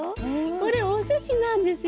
これおすしなんですよ。